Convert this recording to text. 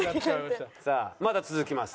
さあまだ続きます。